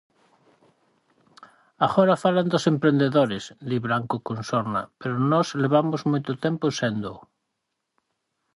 "Agora falan dos emprendedores", di Blanco con sorna, "pero nós levamos moito tempo séndoo".